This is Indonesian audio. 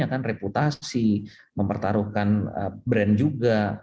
mempertaruhkan reputasi mempertaruhkan brand juga